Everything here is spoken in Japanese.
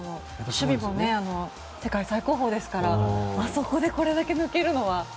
守備も世界最高峰ですからあそこでこれだけ抜けるのは。